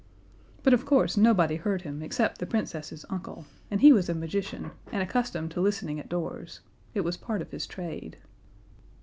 But of course nobody heard him except the Princess's uncle, and he was a magician, and accustomed to listening at doors. It was part of his trade.